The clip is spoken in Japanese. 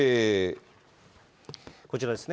こちらですね。